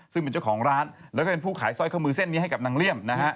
ซึ่งเป็นเจ้าของร้านแล้วก็เป็นผู้ขายสร้อยข้อมือเส้นนี้ให้กับนางเลี่ยมนะฮะ